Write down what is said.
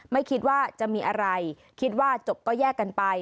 ไม่คิดว่าจะมีอะไรคิดว่าจบก็แยกกันไป